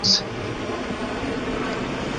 Abantu baganira muri resitora ihuze